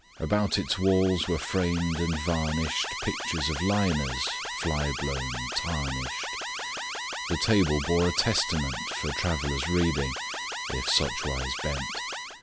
About its walls were framed and varnished Pictures of liners, fly blown, tarnished. The table bore a Testament For travellers' reading, if suchwise bent.